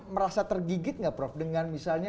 merasa tergigit nggak prof dengan misalnya